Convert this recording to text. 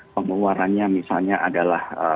pengeluarannya misalnya adalah